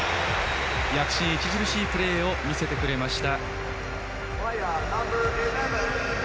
躍進著しいプレーを見せてくれました。